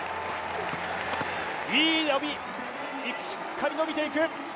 いい伸び、しっかり伸びていく。